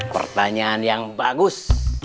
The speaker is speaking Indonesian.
pertanyaan yang bagus